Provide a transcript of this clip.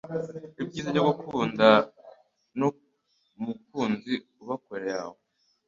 Ibyiza byo gukunda n'umukunzi uba kure yawe